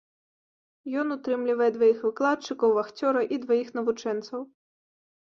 Ён утрымлівае дваіх выкладчыкаў, вахцёра і дваіх навучэнцаў.